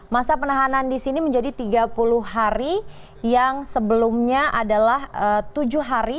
masa penahanan di sini menjadi tiga puluh hari yang sebelumnya adalah tujuh hari